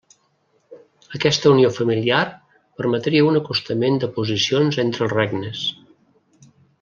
Aquesta unió familiar permetria un acostament de posicions entre els regnes.